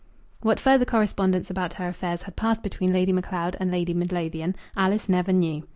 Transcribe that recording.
What further correspondence about her affairs had passed between Lady Macleod and Lady Midlothian Alice never knew.